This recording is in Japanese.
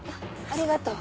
ありがとう。